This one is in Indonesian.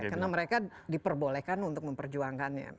karena mereka diperbolehkan untuk memperjuangkannya